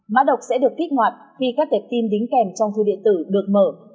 mã độc sẽ được kích hoạt khi các tẹp tin đính kèm trong thư điện tử được mở